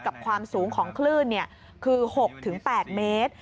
กับความสูงของคลื่นเนี่ยคือ๖๘เมตร